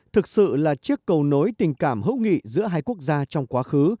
thực sự là chiếc cầu nối tình cảm hữu nghị giữa hai quốc gia trong quá khứ